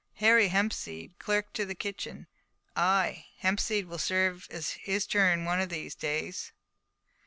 "Harry Hempseed, clerk to the kitchen; ay, Hempseed will serve his turn one of these days.